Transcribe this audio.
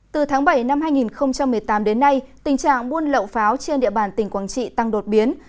từ tháng bảy năm hai nghìn một mươi tám đến nay tình trạng buôn lậu pháo trên địa bàn tỉnh quảng trị tăng đột biến